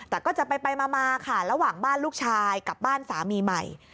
แต่ก็จะไปมาค่ะระหว่างบ้านลูกชายกับบ้านสามีใหม่